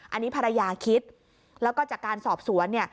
อันนี้ภรรยาคิดแล้วก็จากการสอบสวน